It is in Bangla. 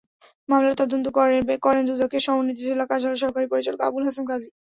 মামলার তদন্ত করেন দুদকের সমন্বিত জেলা কার্যালয়ের সহকারী পরিচালক আবুল হাশেম কাজী।